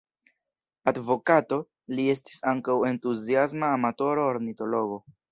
Advokato, li estis ankaŭ entuziasma amatora ornitologo.